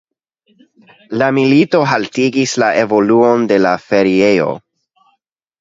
La milito haltigis la evoluon de la feriejo.